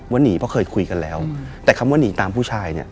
หนีเพราะเคยคุยกันแล้วแต่คำว่าหนีตามผู้ชายเนี่ย